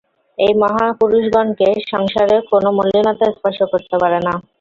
এই মহাপুরুষগণকে সংসারের কোন মলিনতা স্পর্শ করতে পারে না।